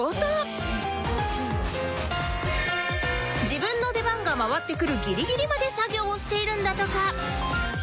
自分の出番が回ってくるギリギリまで作業をしているんだとか